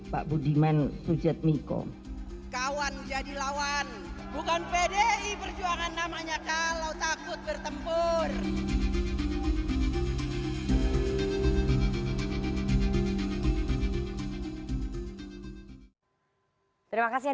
saya seperti pak kasus nih